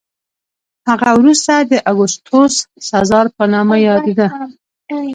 هغه وروسته د اګوستوس سزار په نامه یادېده